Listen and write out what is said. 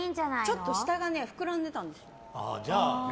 ちょっと下が膨らんでたんです。